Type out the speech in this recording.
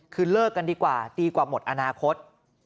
คือเลิกกันดีกว่าดีกว่าหมดอนาคต